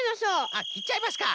あっきっちゃいますか。